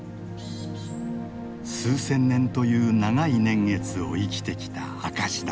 数千年という長い年月を生きてきた証しだ。